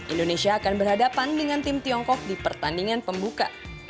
indonesia akan berhadapan dengan tim tiongkok di pertandingan pembuka